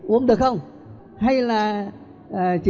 uống được không hay là chỉ dùng tựa cái thôi